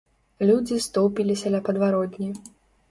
Людзі стоўпіліся ля падваротні.